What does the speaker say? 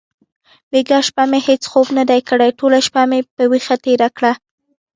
بیګا شپه مې هیڅ خوب ندی کړی. ټوله شپه مې په ویښه تېره کړه.